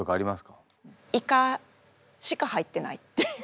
イカしか入ってないっていう。